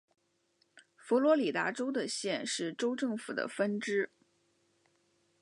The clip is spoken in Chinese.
佛罗里达州的县是州政府的分支。